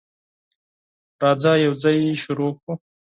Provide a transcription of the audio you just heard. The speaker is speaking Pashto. راځه، یوځای شروع کړو.